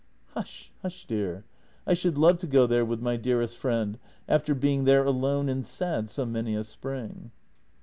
" Hush, hush, dear. I should love to go there with my dearest friend, after being there alone and sad so many a spring."